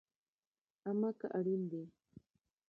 امه که اړين دي